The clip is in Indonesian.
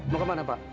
mau kemana pak